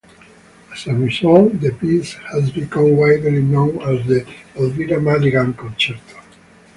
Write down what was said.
As a result, the piece has become widely known as the "Elvira Madigan" concerto.